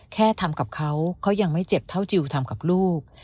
แค่ทำกับเขาเขายังไม่เจ็บเท่าจิลทำกับลูก